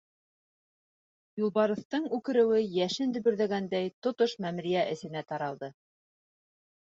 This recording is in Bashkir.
Юлбарыҫтың үкереүе йәшен дөбөрҙәгәндәй тотош мәмерйә эсенә таралды.